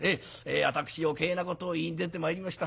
私余計なことを言いに出てまいりました。